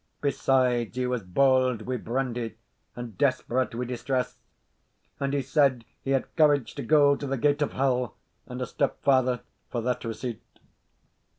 Besides, he was bauld wi' brandy, and desperate wi' distress; and he said he had courage to go to the gate of hell, and a step farther, for that receipt.